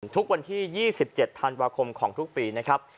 ทุกวันที่๒๗ธันวาคมของทุกปีนะครับ